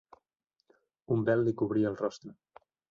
Un vel li cobria el rostre.